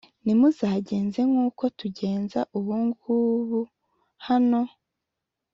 ntimuzagenze nk’uko tugenza ubu ngubu hano,